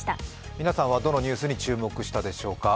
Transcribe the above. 皆さんはどのニュースに注目したでしょうか。